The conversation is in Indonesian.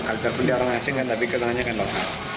ada pilihan orang asing kan tapi kemungkinannya kan lokal